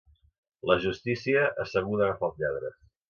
La justícia, asseguda agafa els lladres.